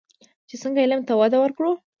چې څنګه علم ته وده ورکړو.